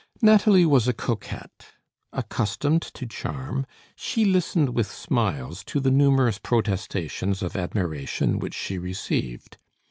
Nathalie was a coquette. Accustomed to charm, she listened with smiles to the numerous protestations of admiration which she received.